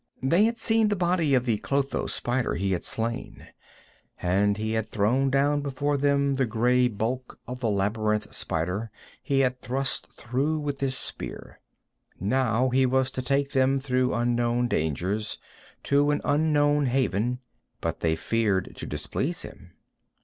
They had seen the body of the clotho spider he had slain, and he had thrown down before them the gray bulk of the labyrinth spider he had thrust through with his spear. Now he was to take them through unknown dangers to an unknown haven, but they feared to displease him.